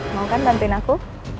mau kan bantuin aku